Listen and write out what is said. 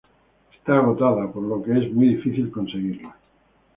Está agotada, por lo que es muy difícil conseguirla.